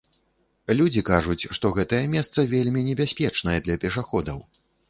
Людзі кажуць, што гэтае месца вельмі небяспечнае для пешаходаў.